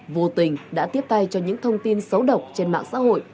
vô tình đã tiếp tay cho những thông tin xấu độc trên mạng xã hội